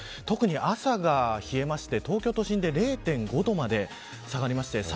特に朝が冷えまして、東京都心で０．５度まで下がりました。